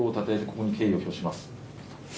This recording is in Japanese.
ここに敬意を表します。